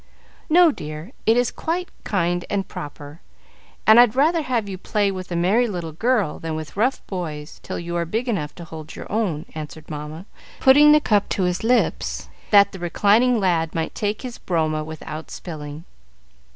"No, dear, it is quite kind and proper, and I'd rather have you play with a merry little girl than with rough boys till you are big enough to hold your own," answered Mamma, putting the cup to his lips that the reclining lad might take his broma without spilling.